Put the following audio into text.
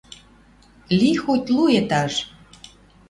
Ли хоть лу этаж.